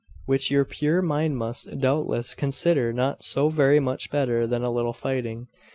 'Which your pure mind must, doubtless, consider not so very much better than a little fighting.